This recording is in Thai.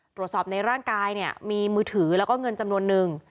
ตรวจสอบในร่างกายเนี่ยมีมือถือแล้วก็เงินจำนวนนึง